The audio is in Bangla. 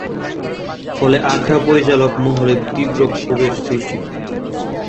ফলে আখড়া পরিচালক মহলে তীব্র ক্ষোভের সৃষ্টি হয়।